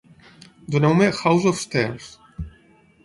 Doneu-me "House of Stairs"